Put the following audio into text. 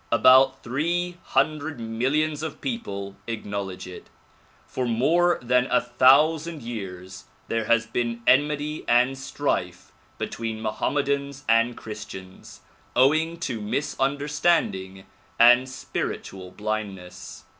About three hundred millions of people acknowledge it. For more than a thousand years there has been enmity and strife 196 THE PROMULGATION OF UNIVERSAL PEACE between Mohammedans and Christians, owing to misunderstand ing and spiritual blindness.